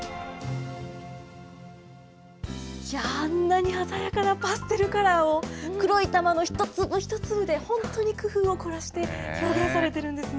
いやー、あんなに鮮やかなパステルカラーを黒い玉の一粒一粒で、本当に工夫を凝らして、表現されているんですね。